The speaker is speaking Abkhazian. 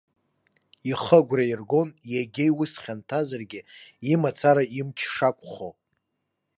Ихы агәра аиргон, егьа иус хьанҭазаргьы, имацара имч шақәхо.